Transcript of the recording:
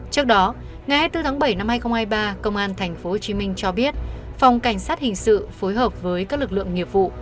trước đó ngày hai mươi bốn tháng bảy năm hai nghìn hai mươi ba công an tp hcm cho biết phòng cảnh sát hình sự phối hợp với các lực lượng nghiệp vụ